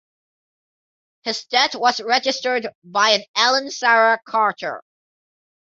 His death was registered by an Ellen Sarah Carter.